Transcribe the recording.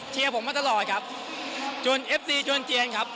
เชียร์ผมมาตลอดครับจนแอบตีจวนเจียร์ครับ